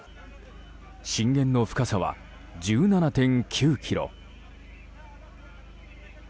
震源の深さは１７．９ｋｍ。